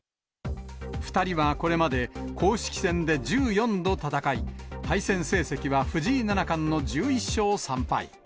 ２人はこれまで、公式戦で１４度戦い、対戦成績は藤井七冠の１１勝３敗。